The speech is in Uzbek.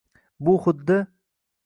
Bu xuddi